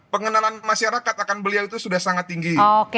pengenalan masyarakat akan beliau itu sudah sangat tinggi